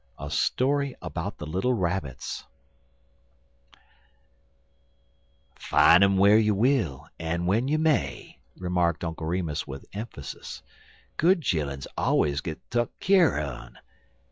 A STORY ABOUT THE LITTLE RABBITS "FIN' um whar you will en w'en you may," remarked Uncle Remus with emphasis, "good chilluns allers gits tuck keer on.